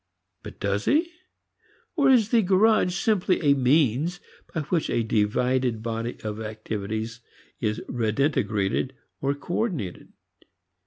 But does he? Or is the garage simply a means by which a divided body of activities is redintegrated or coordinated?